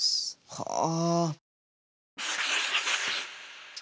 はあ。